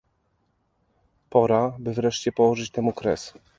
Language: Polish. Pora, by wreszcie położyć temu kres